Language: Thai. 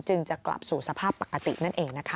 จะกลับสู่สภาพปกตินั่นเองนะคะ